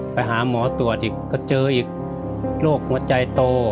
ไปหาหมอตรวจอีกก็เจออีกโรคหัวใจโต